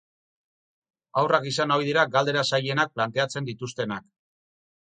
Haurrak izan ohi dira galdera zailenak planteatzen dituztenak.